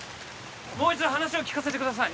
もう一度話を聞かせてください